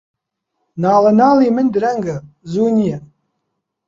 ناڵەناڵی من درەنگە، زوو نییە